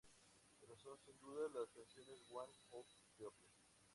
Pero son sin duda las canciones "What's Up, People?!